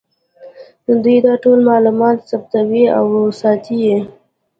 دوی دا ټول معلومات ثبتوي او ساتي یې